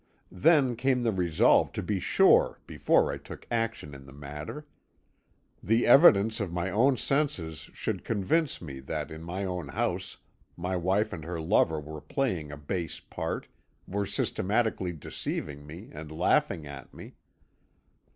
"Then came the resolve to be sure before I took action in the matter. The evidence of my own senses should convince me that in my own house my wife and her lover were playing a base part, were systematically deceiving me and laughing at me.